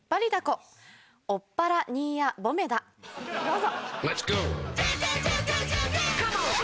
どうぞ。